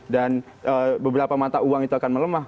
dan beberapa mata uang itu akan melemah